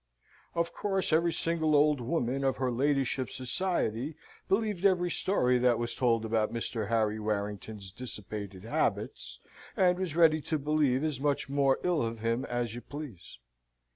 Of course every single old woman of her ladyship's society believed every story that was told about Mr. Harry Warrington's dissipated habits, and was ready to believe as much more ill of him as you please.